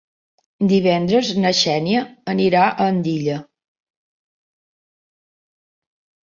Divendres na Xènia anirà a Andilla.